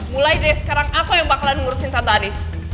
mulai dari sekarang aku yang bakalan ngurusin tante andis